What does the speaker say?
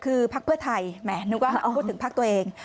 คือพักเพื่อไทยแหมนึกว่าพูดถึงพักตัวเอง